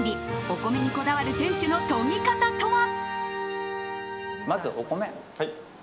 お米にこだわる店主のとぎ方とは？